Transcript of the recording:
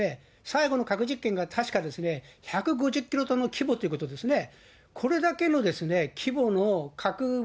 最後の核実験が、確か１５０キロトンの規模ということですね。